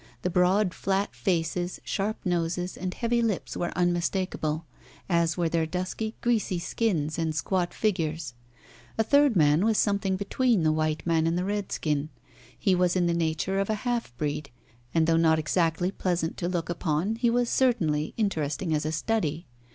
The broad, flat faces, sharp noses, and heavy lips were unmistakable, as were their dusky, greasy skins and squat figures. A third man was something between the white man and the redskin. He was in the nature of a half breed, and, though not exactly pleasant to look upon, he was certainly interesting as a study.